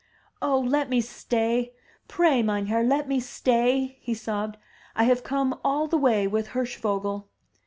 "Oh, let me stay! Pray, meinherr, let me stay!'' he sobbed. "I have come all the way with Hirschvogel!''